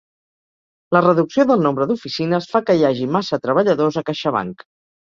La reducció del nombre d'oficines fa que hi hagi massa treballadors a CaixaBank